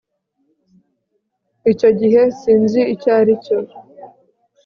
icyo gihe sinzi icyo ari cyo